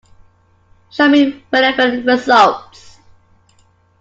Show me relevant results.